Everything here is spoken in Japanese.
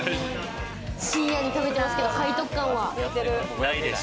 深夜に食べてますけれど背徳ないです。